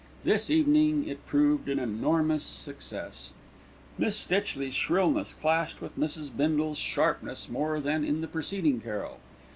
This evening it proved an enormous success. Miss Stitchley's shrillness clashed with Mrs. Bindle's sharpness more than in the preceding carol.